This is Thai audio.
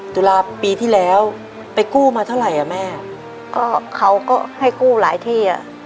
ตุลาปีที่แล้วไปกู้มาเท่าไหร่อ่ะแม่ก็เขาก็ให้กู้หลายที่อ่ะ